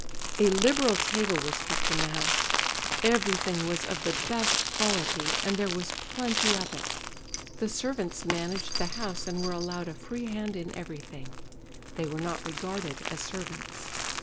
A liberal table was kept in the house; everything was of the best quality, and there was plenty of it. The servants managed the house and were allowed a free hand in everything; they were not regarded as servants.